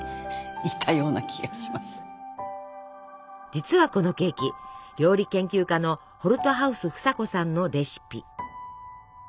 実はこのケーキ料理研究家のホルトハウス房子さんのレシピ。